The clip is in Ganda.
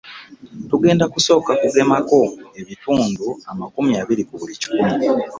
Tugenda kusooka okugemako ebitundu amakumi abiri ku buli kikumi.